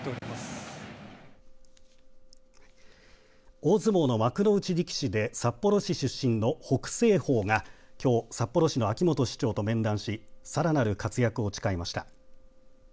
大相撲の幕内力士で札幌市出身の北青鵬がきょう札幌市の秋元市長と面談しさらなる活躍を誓いました。